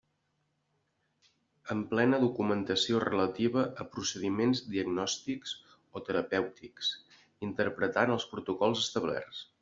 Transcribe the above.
Emplena documentació relativa a procediments diagnòstics o terapèutics, interpretant els protocols establerts.